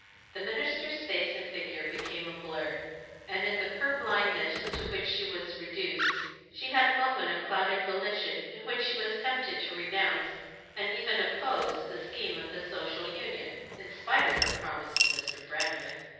The minister's face and figure became a blur, and in the purblindness to which she was reduced she had a moment of clouded volition in which she was tempted to renounce, and even oppose, the scheme for a Social Union, in spite of her promise to Mr. Brandreth.